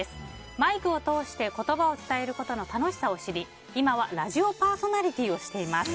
マイクを通して言葉を伝えることの楽しさを知り今はラジオパーソナリティーをしています。